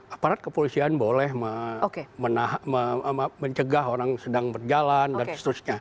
aparat kepolisian boleh mencegah orang sedang berjalan dan seterusnya